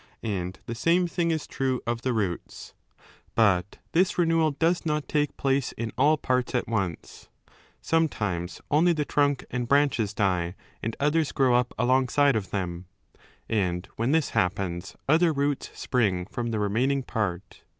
And the same thing is true of the roots. But this renewal does not take place in all parts at 3 once; sometimes only the trunk and branches die and others grow up alongside of them. And when this happens other roots spring from the remaining part.